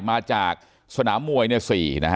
มาจากสนามวยเนธ๔